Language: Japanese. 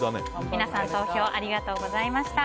皆さん投票ありがとうございました。